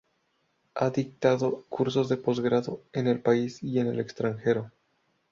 Ha dictado cursos de posgrado en el país y en el extranjero.